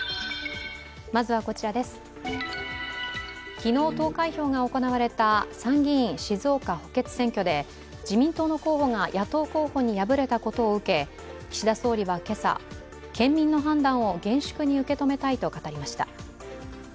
昨日、投開票が行われた参議院静岡補欠選挙で自民党の候補が野党候補に敗れたことを受け岸田総理は今朝、県民の判断を厳粛に受け止めたいと語りました。